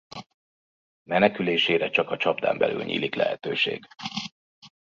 Menekülésre csak a csapdán belül nyílik lehetőség.